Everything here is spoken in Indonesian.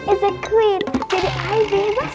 is a queen jadi i bebas